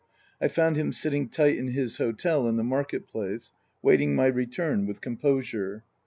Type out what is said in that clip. I found him sitting tight in his hotel in the Market place, waiting my return with composure.